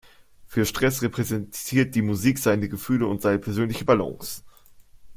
Für Stress repräsentiert die Musik seine Gefühle und seine persönliche Balance.